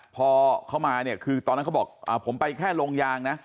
พอเขามาเนี่ยคือตอนนั้นเขาบอกผมไปแค่โรงยางนะ